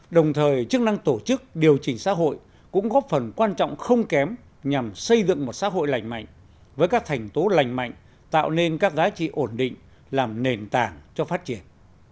đồng thời chức năng tổ chức điều chỉnh xã hội cũng góp phần quan trọng không kém nhằm xây dựng một xã hội lành mạnh với các thành tố lành mạnh tạo nên các giá trị ổn định làm nền tảng cho phát triển